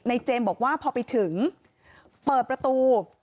เจมส์บอกว่าพอไปถึงเปิดประตู